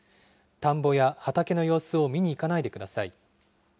田んぼや畑の様子を見に行かないでください。